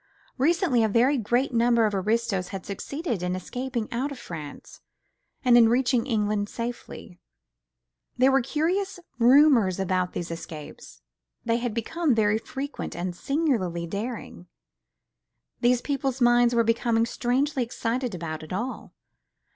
Recently a very great number of aristos had succeeded in escaping out of France and in reaching England safely. There were curious rumours about these escapes; they had become very frequent and singularly daring; the people's minds were becoming strangely excited about it all.